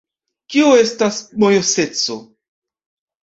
Kio estas mojoseco?